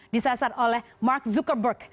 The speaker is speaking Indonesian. disasar oleh mark zuckerberg